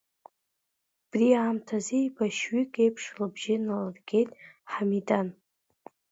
Убри аамҭаз еибашьҩык еиԥш лыбжьы налыргеит Ҳамидан.